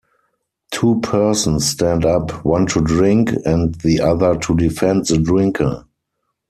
Two persons stand up, one to drink and the other to defend the drinker.